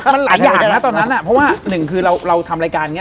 มันหลายอย่างเลยนะตอนนั้นเพราะว่าหนึ่งคือเราทำรายการนี้